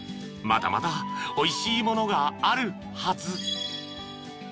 ［まだまだおいしいものがあるはず］